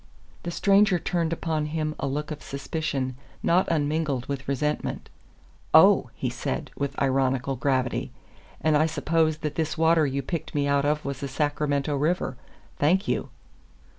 The stranger turned upon him a look of suspicion not unmingled with resentment. "Oh!" he said, with ironical gravity, "and I suppose that this water you picked me out of was the Sacramento River. Thank you!"